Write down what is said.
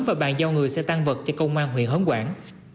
và bàn giao người xe tăng vật cho công an huyện hớn quản